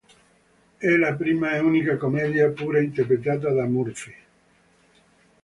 È la prima e unica commedia pura interpretata da Murphy.